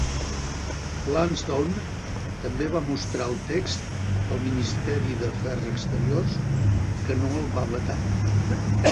Lansdowne també va mostrar el text al Ministeri d'Afers exteriors, que no el va vetar.